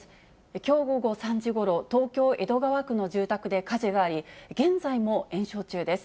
きょう午後３時ごろ、東京・江戸川区の住宅で火事があり、現在も延焼中です。